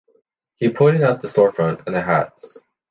He pointed out the storefront and the hats.